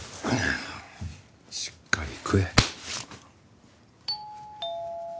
しっかり食え。